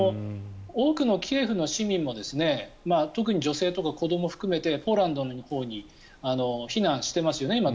多くのキエフの市民も特に女性とか子どもを含めてポーランドのほうに避難していますよね。